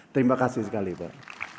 terima kasih sekali pak